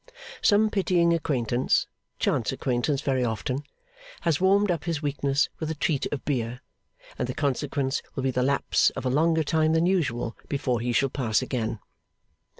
Some pitying acquaintance chance acquaintance very often has warmed up his weakness with a treat of beer, and the consequence will be the lapse of a longer time than usual before he shall pass again.